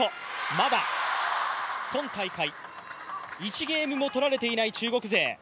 まだ今大会、１ゲームも取られていない中国勢。